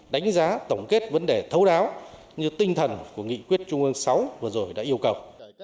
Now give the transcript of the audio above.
đánh giá tổng kết vấn đề thấu đáo như tinh thần của nghị quyết trung ương sáu vừa rồi đã yêu cầu